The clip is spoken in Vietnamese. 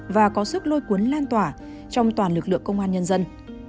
và có sức lôi cuốn lan tỏa trong toàn lực lượng công an nhân dân